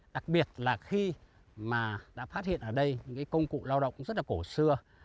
đặc biệt là khi mà đã phát hiện ở đây những cái công cụ lao động rất là cổ xưa